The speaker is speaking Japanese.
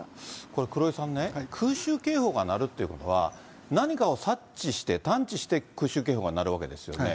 これ、黒井さんね、空襲警報が鳴るっていうのは、何かを察知して、探知して空襲警報が鳴るわけですよね。